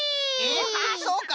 あっそうか！